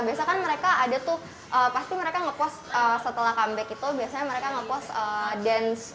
biasa kan mereka ada tuh pasti mereka nge post setelah comeback itu biasanya mereka nge post dance